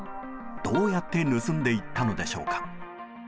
どうやって盗んでいったのでしょうか。